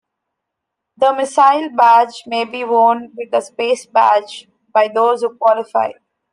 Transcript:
The missile badge may be worn with the space badge by those who qualify.